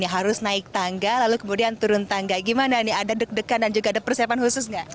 harus naik tangga lalu kemudian turun tangga gimana nih ada deg degan dan juga ada persiapan khusus nggak